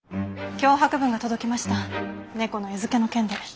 脅迫文が届きました猫の餌付けの件で。